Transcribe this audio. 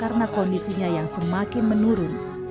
karena kondisinya yang semakin menurun